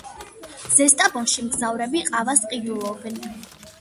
ზესტაფონში მგზავრები ყავას ყიდულობენ.